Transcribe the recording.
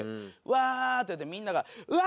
わってやってみんながうわ！